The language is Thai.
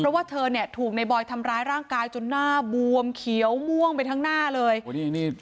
เพราะว่าเธอเนี่ยถูกในบอยทำร้ายร่างกายจนหน้าบวมเขียวม่วงไปทั้งหน้าเลยนี่